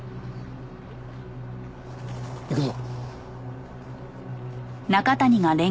行くぞ。